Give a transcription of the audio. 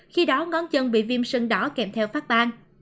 khi đó ngón chân bị viêm sơn đỏ kèm theo phát ban